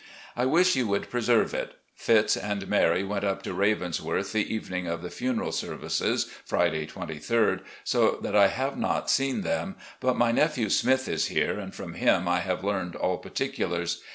I wish you would preserve it. Fits, and Mary went up to ' Ravensworth ' the evening of the funeral services, Friday, 23d, so that I have not seen them, but my nephew Smith is here, and from him I have learned all particulars.